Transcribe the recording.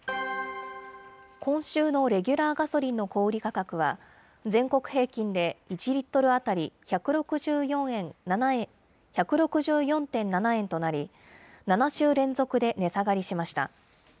今週のレギュラーガソリンの小売り価格は、全国平均で１リットル当たり１６４．７円となり、７週連続で値下がりしました。